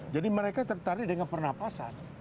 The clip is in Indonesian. jadi mereka tertarik dengan pernapasan